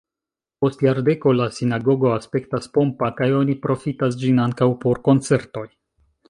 Post jardeko la sinagogo aspektas pompa kaj oni profitas ĝin ankaŭ por koncertoj.